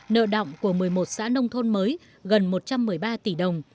nợ động của một mươi một xã nông thôn mới gần một trăm một mươi ba tỷ đồng